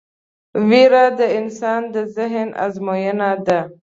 وېره د انسان د ذهن ازموینه ده.